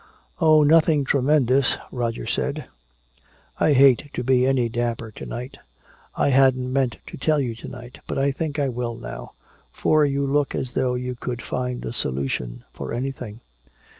"Oh, nothing tremendous," Roger said. "I hate to be any damper to night. I hadn't meant to tell you to night but I think I will now, for you look as though you could find a solution for anything."